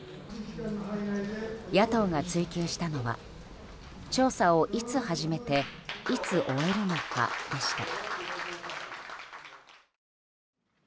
野党が追及したのは調査をいつ始めていつ終えるのかでした。